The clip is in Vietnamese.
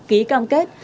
ký cam kết